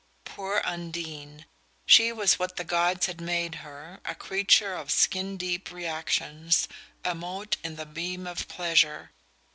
Poor Undine! She was what the gods had made her a creature of skin deep reactions, a mote in the beam of pleasure.